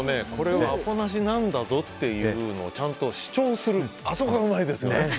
アポなしなんだぞっていうのをちゃんと主張するあそこがうまいですね。